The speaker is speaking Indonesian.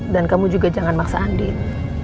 dan kamu juga jangan maksa andin